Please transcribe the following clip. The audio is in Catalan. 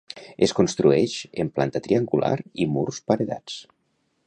Es construeix en planta triangular i murs paredats.